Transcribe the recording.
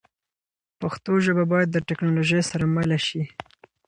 پښتو ژبه باید د ټکنالوژۍ سره مله شي.